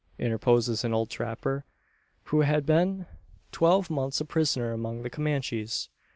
interposes an old trapper who had been twelve months a prisoner among the Comanches.